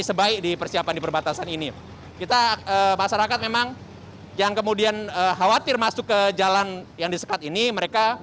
sebaik di persiapan di perbatasan ini kita masyarakat memang yang kemudian khawatir masuk ke